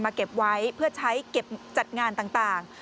เก็บไว้เพื่อใช้เก็บจัดงานต่าง